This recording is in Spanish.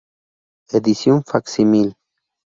Edición facsímil.